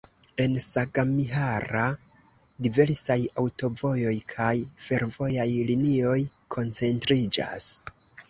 En Sagamihara diversaj aŭtovojoj kaj fervojaj linioj koncentriĝas.